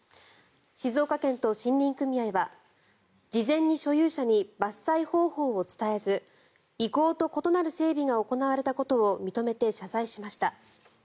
静岡県と森林組合は事前に所有者に伐採方法を伝えず意向と異なる整備が行われたことを認めて謝罪しました。